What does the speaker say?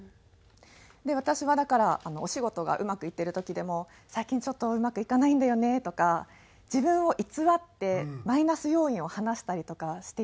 で私はだからお仕事がうまくいってる時でも最近ちょっとうまくいかないんだよねとか自分を偽ってマイナス要因を話したりとかしていたんです。